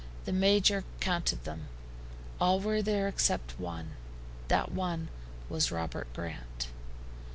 The Major counted them. All were there except one that one was Robert Grant.